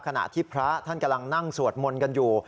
ขณะที่พระท่านกำลังนั่งสวดมนต์กันอยู่